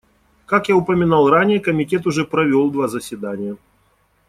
Как я упоминал ранее, Комитет уже провел два заседания.